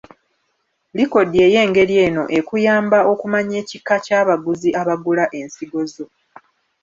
Likodi ey’engeri eno ekuyamba okumanya ekika ky’abaguzi abagula ensigo zo.